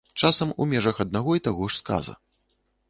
Часам у межах аднаго і таго ж сказа.